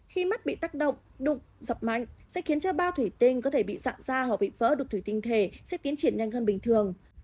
khi mắt bị tác động đụng dập mạnh sẽ khiến cho bao thủy tinh có thể bị dạng da hoặc bị vỡ đục thủy tinh thể sẽ tiến triển nhanh hơn bình thường